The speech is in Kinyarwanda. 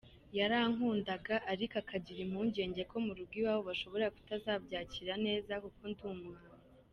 Yarankundaga ariko akagira impungenge ko mu rugo iwabo bashobora kutazabyakira neza kuko ndi umuhanzi.